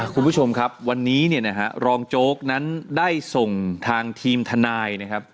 คุณผู้ชมครับวันนี้รองโจ๊กนั้นได้ส่งทางทีมทนาย